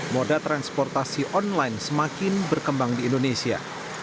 moda transportasi online semakin berkembang di indonesia